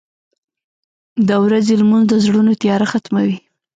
• د ورځې لمونځ د زړونو تیاره ختموي.